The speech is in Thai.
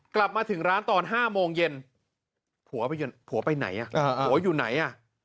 กลับมาถึงร้านตอน๕โมงเย็นผัวไปไหนผัวอยู่ไหนอ่ะ